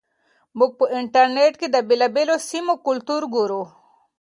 موږ په انټرنیټ کې د بېلابېلو سیمو کلتور ګورو.